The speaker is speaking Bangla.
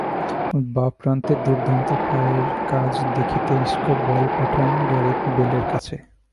বাঁ প্রান্তে দুর্দান্ত পায়ের কাজ দেখিয়ে ইসকো বল পাঠান গ্যারেথ বেলের কাছে।